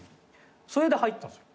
それで入ったんですよ。